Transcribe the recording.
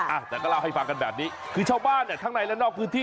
อ่ะแต่ก็เล่าให้ฟังกันแบบนี้คือชาวบ้านเนี่ยทั้งในและนอกพื้นที่